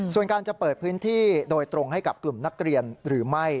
ส่วนการจะเปิดพื้นที่โดยตรงให้กับกลุ่มนักเรียนหรือไม่